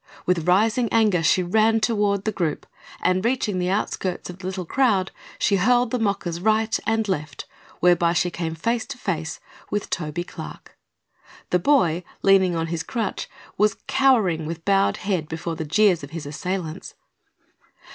With rising anger she ran toward the group and reaching the outskirts of the little crowd she hurled the mockers right and left, whereby she came face to face with Toby Clark. The boy, leaning on his crutch, was cowering with bowed head before the jeers of his assailants.